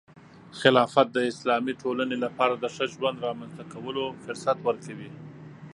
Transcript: خلافت د اسلامي ټولنې لپاره د ښه ژوند رامنځته کولو فرصت ورکوي.